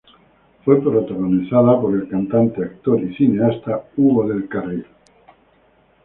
Fue protagonizada por el cantante, actor y cineasta Hugo del Carril.